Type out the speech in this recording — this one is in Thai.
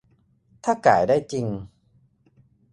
ถ้าก่ายได้จริง